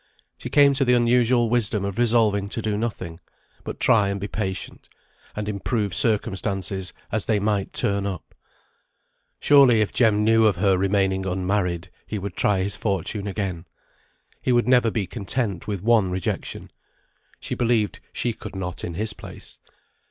She came to the unusual wisdom of resolving to do nothing, but try and be patient, and improve circumstances as they might turn up. Surely, if Jem knew of her remaining unmarried, he would try his fortune again. He would never be content with one rejection; she believed she could not in his place.